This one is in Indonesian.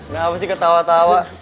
nah apa sih ketawa tawa